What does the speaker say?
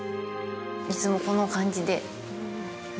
いつもこの感じで。